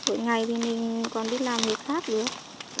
hồi ngày thì mình còn biết làm việc khác được